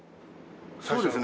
そうですね。